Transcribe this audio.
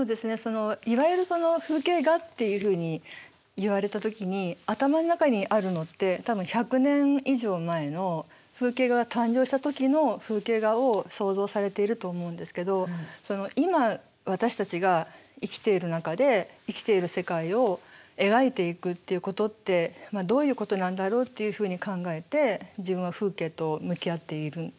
いわゆる風景画っていうふうに言われた時に頭の中にあるのって多分１００年以上前の風景画が誕生した時の風景画を想像されていると思うんですけど今私たちが生きている中で生きている世界を描いていくっていうことってどういうことなんだろうっていうふうに考えて自分は風景と向き合っているんですよ。